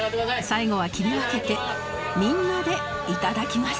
最後は切り分けてみんなで頂きます